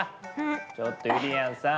ちょっとゆりやんさん。